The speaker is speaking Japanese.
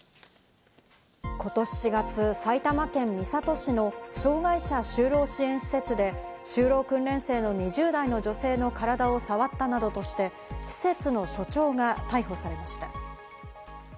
今年４月、埼玉県三郷市の障害者就労支援施設で就労訓練生の２０代の女性の体を触ったなどとして施設の所長が逮捕されました。